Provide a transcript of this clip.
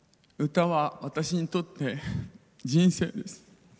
歌は私にとって人生です。